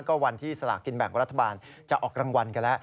ก็วันที่สลากินแบ่งรัฐบาลจะออกรางวัลกันแล้ว